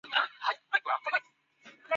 篦子三尖杉为三尖杉科三尖杉属的植物。